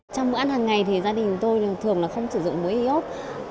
trong bữa ăn hàng ngày thì gia đình tôi thường là không sử dụng mối y ốt